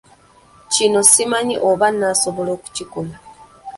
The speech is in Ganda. Kino simanyi oba naasobola okukikola!